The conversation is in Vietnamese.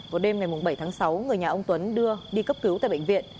vào đêm ngày bảy tháng sáu người nhà ông tuấn đưa đi cấp cứu tại bệnh viện